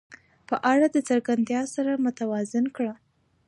په اړه د ناڅرګندتیا سره متوازن کړه.